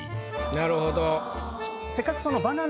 なるほど。